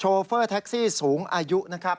เฟอร์แท็กซี่สูงอายุนะครับ